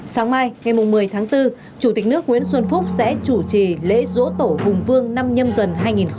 sáng mai ngày một mươi tháng bốn chủ tịch nước nguyễn xuân phúc sẽ chủ trì lễ dỗ tổ hùng vương năm nhâm dần hai nghìn hai mươi bốn